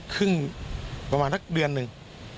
ครึ่งประมาณสักเดือนหนึ่ง